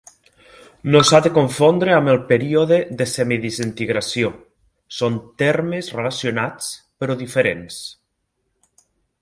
No s'ha de confondre amb el període de semidesintegració; són termes relacionats però diferents.